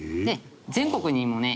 全国にもね